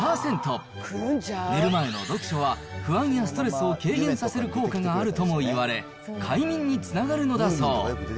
寝る前の読書は、不安やストレスを軽減させる効果があるともいわれ、快眠につながるのだそう。